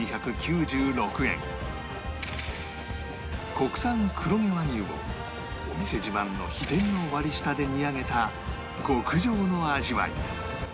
国産黒毛和牛をお店自慢の秘伝の割り下で煮上げた極上の味わい